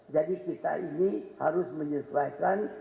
jadi kita ini harus menyesuaikan